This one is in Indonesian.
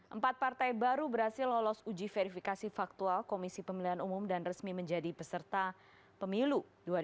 empat partai baru berhasil lolos uji verifikasi faktual komisi pemilihan umum dan resmi menjadi peserta pemilu dua ribu sembilan belas